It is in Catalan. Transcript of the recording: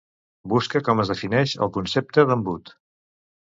Busca com es defineix el concepte d'embut.